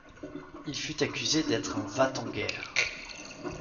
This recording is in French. Il fut accusé d’être un va-t-en guerre.